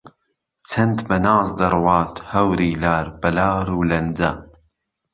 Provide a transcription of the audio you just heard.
چەند بە ناز دەڕوات هەوری لار بە لارو لەنجە